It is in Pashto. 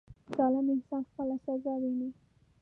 • ظالم انسان خپله سزا ویني.